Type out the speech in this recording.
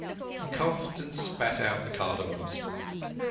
He coughed and spat out the cardamoms.